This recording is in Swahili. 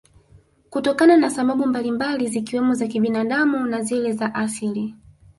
Kutokana na sababu mbalimbali zikiwemo za kibinadamu na zile za asili